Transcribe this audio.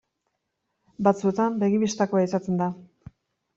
Batzuetan begi bistakoa izaten da.